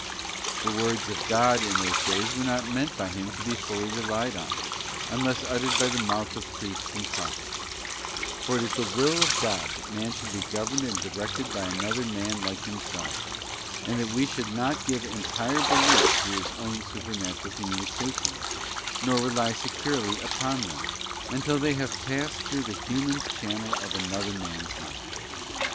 The words of God in those days were not meant by Him to be fully relied on, unless uttered by the mouth of priests and prophets; for it is the will of God that man should be governed and directed by another man like him self, and that we should not give entire belief to His own supernatural communications, nor rely securely upon them, until they shall have passed through the human channel of another man's mouth.